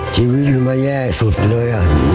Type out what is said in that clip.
ชีวิตมันแย่สุดเลยอะ